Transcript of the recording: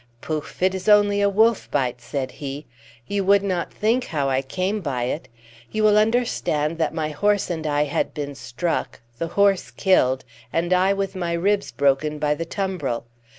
"Pouf! It is only a wolf bite," said he. "You would not think how I came by it! You will understand that my horse and I had been struck, the horse killed, and I with my ribs broken by the tumbril.